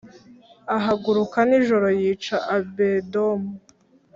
Ahaguruka nijoro yica Abedomu